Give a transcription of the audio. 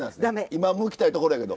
今むきたいところやけど。